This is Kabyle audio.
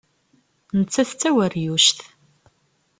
Nettat d taweryuct.